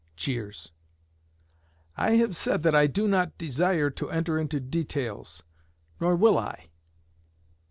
[Cheers.] I have said that I do not desire to enter into details, nor will I.